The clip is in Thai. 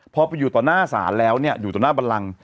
พอไปอยู่ต่อหน้าศาลแล้วอยู่ต่อหน้าบันลัง